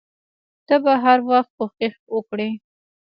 ته به هر وخت کوښښ وکړې.